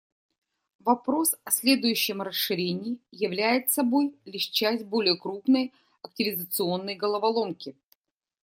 Вопрос о следующем расширении являет собой лишь часть более крупной активизационной головоломки.